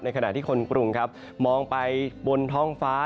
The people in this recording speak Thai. ขณะที่คนกรุงครับมองไปบนท้องฟ้า